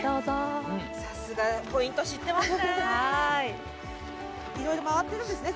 さすがポイント知ってますね。